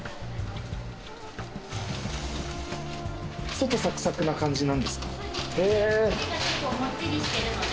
外サクサクな感じなんですか？